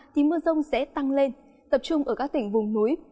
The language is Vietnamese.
thì mưa rông sẽ tăng lên tập trung ở các tỉnh vùng núi